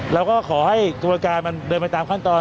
เราก็ขอให้ธุรการมันเดินไปตามขั้นตอน